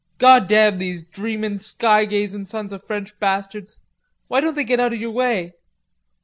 "Goddam these dreamin', skygazin' sons of French bastards. Why don't they get out of your way?